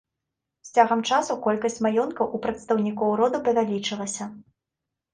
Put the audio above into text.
З цягам часу колькасць маёнткаў у прадстаўнікоў роду павялічылася.